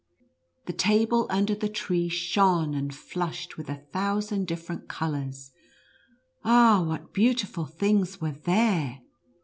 Tlie table under the tree shone and flushed with a thousand different colors — ah, what beau tiful things were there